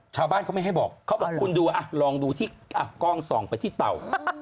ชาวบ้านเขาไม่ให้บอกเขาบอกคุณดูอ่ะลองดูที่กล้องส่องไปที่เต่า